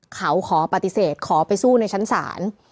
เขาขอปฏิเสธขอไปสู้ในชั้นศาล